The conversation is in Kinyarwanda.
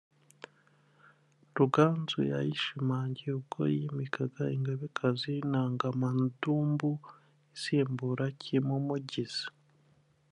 Ruganzu yayishimangiye ubwo yimikaga Ingabekazi Nangamadumbu isimbura Cyimumugizi